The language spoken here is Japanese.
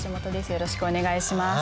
よろしくお願いします。